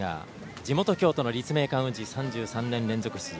地元・京都の立命館宇治３３年連続出場。